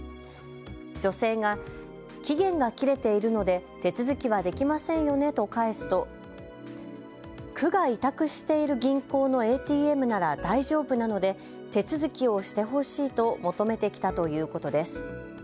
女性が、期限が切れているので手続きはできませんよねと返すと区が委託している銀行のＡＴＭなら大丈夫なので手続きをしてほしいと求めてきたということです。